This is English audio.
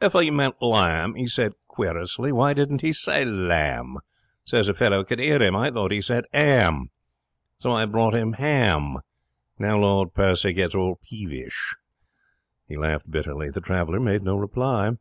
'If he meant lamb,' he said, querulously, 'why didn't he say "lamb", so's a feller could hear him? I thought he said "ham", so I brought ham. Now Lord Percy gets all peevish.' He laughed bitterly. The traveller made no reply.